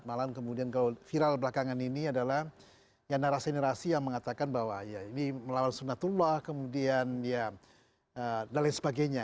malah kemudian kalau viral belakangan ini adalah ya narasi narasi yang mengatakan bahwa ya ini melawan sunatullah kemudian ya dan lain sebagainya